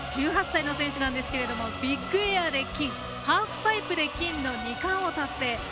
１８歳の選手なんですがビッグエアで金ハーフパイプで金の２冠を達成。